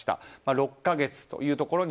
６か月というところに